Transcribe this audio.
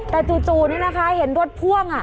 แต่จู่นี่นะคะเห็นรถพ่วง